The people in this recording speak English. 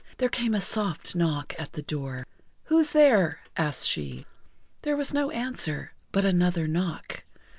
There came a soft knock at the door. "Who's there?" asked she. There was no answer, but another knock.